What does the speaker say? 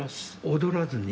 ・踊らずに？